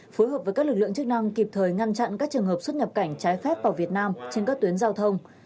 phối hợp với các lực lượng chức năng kịp thời ngăn chặn các trường hợp xuất nhập cảnh trái phép vào việt nam trên các tuyến giao thông